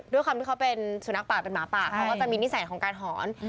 ด้วยความที่เขาเป็นสุนัขป่าเป็นหมาป่าเขาก็จะมีนิสัยของการหอน